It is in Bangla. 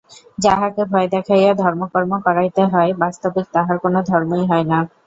যাহাকে ভয় দেখাইয়া ধর্মকর্ম করাইতে হয়, বাস্তবিক তাহার কোন ধর্মই হয় না।